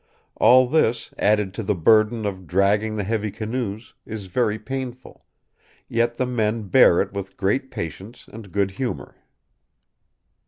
All this, added to the burden of dragging the heavy canoes, is very painful; yet the men bear it with great patience and good humour."